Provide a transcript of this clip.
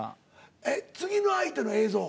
えっ次の相手の映像？